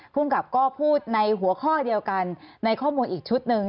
ภูมิกับก็พูดในหัวข้อเดียวกันในข้อมูลอีกชุดหนึ่ง